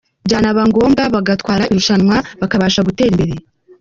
Byanaba ngombwa bagatwara irushanwa bakabasha gutera imbere.